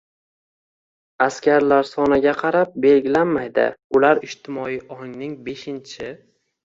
askarlar soniga qarab belgilanmaydi, ular ijtimoiy ongning “beshinchi